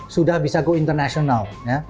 sudah bisa go international